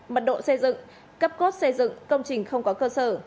mật độ xây dựng cấp cốt xây dựng công trình không có cơ sở